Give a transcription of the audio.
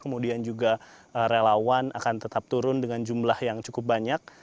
kemudian juga relawan akan tetap turun dengan jumlah yang cukup banyak